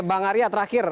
bang arya terakhir